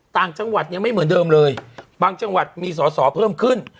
ต่างจังหวัดยังไม่เหมือนเดิมเลยบางจังหวัดมีสอสอเพิ่มขึ้น